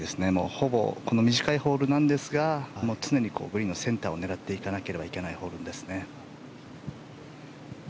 ほぼ短いホールなんですが常にグリーンのセンターを狙っていかなきゃいけないホールです。